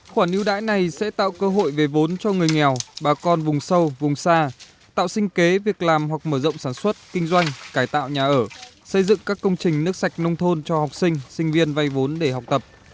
khoản ưu đãi này sẽ tạo cơ hội về vốn cho người nghèo bà con vùng sâu vùng xa tạo sinh kế việc làm hoặc mở rộng sản xuất kinh doanh cải tạo nhà ở xây dựng các công trình nước sạch nông thôn cho học sinh sinh viên vay vốn để học tập